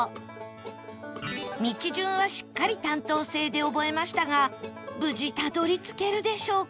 道順はしっかり担当制で覚えましたが無事たどり着けるでしょうか？